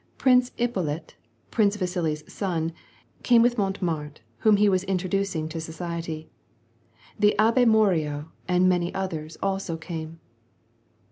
Prince Ippolit, Prince Vasili's sod came with Montemart, whom he was introducing to society^ The Abb4 Morio and many others also came.